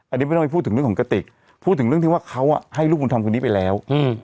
อันนี้ไม่ต้องไปพูดถึงเรื่องของกติกพูดถึงเรื่องที่ว่าเขาให้ลูกบุญธรรมคนนี้ไปแล้ว